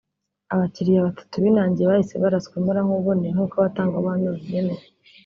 Abakiriya batatu binangiye bahise baraswa imbonankubone nk’uko abatangabuhamya babyemeza